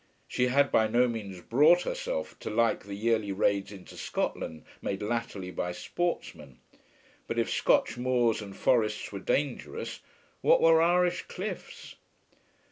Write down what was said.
She had by no means brought herself to like the yearly raids into Scotland made latterly by sportsmen. But if Scotch moors and forests were dangerous, what were Irish cliffs!